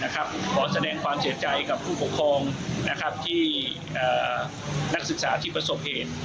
ขอแสดงความเสียใจกับผู้ปกครองที่นักศึกษาที่ประสบเหตุ